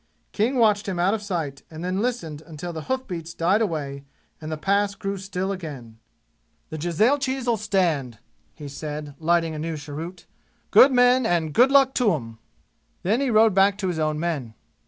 King watched him out of sight and then listened until the hoof beats died away and the Pass grew still again. "The jezailchis'll stand!" he said, lighting a new cheroot. "Good men and good luck to 'em!" Then he rode back to his own men.